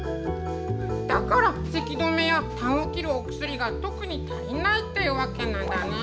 だからせき止めやたんを切るお薬が特に足りないってわけなんだね。